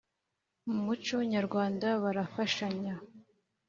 mu muco nyarwanda barafashanya.